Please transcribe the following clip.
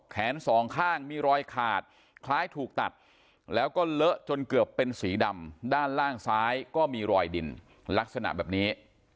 แขนสองข้างมีรอยขาดคล้ายถูกตัดแล้วก็เลอะจนเกือบเป็นสีดำด้านล่างซ้ายก็มีรอยดินลักษณะแบบนี้